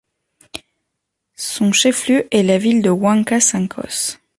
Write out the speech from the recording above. Son chef-lieu est la ville de Huanca Sancos.